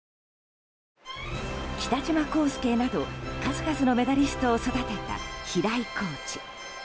北島康介など数々のメダリストを育てた平井コーチ。